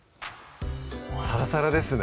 サラサラですね